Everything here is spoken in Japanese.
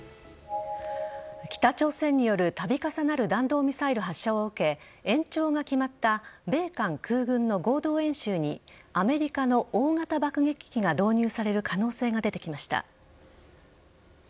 北朝鮮による度重なる弾道ミサイル発射を受け延長が決まった米韓空軍の合同演習にアメリカの大型爆撃機が導入される可能性が出てきました。